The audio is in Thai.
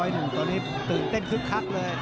ตอนนี้ตื่นเต้นคึกคักเลย